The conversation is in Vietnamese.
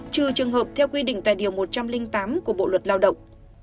trừ trường hợp theo quy định tại điều một trăm linh tám của bộ luật lao động